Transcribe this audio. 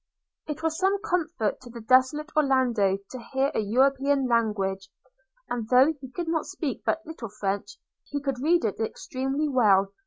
It was some comfort to the desolate Orlando to hear a European language; and though he could speak but little French, he could read it extremely well.